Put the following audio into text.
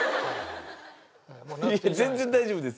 全然大丈夫です。